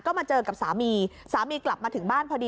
ก็มาเจอกับสามีสามีกลับมาถึงบ้านพอดี